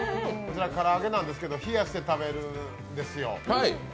こちら、から揚げなんですけど、冷やして食べるんですよ。